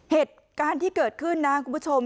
เหตุการณ์ที่เกิดขึ้นนะคุณผู้ชม